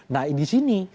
nah di sini